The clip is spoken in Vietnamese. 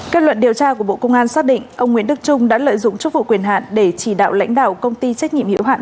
kết luận điều tra của bộ công an xác định ông nguyễn đức trung đã lợi dụng chức vụ quyền hạn để chỉ đạo lãnh đạo công ty trách nhiệm hiệu hạn